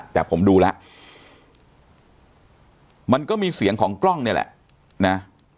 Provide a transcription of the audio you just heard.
แต่ผมดูแล้วมันก็มีเสียงของกล้องนี่แหละนะ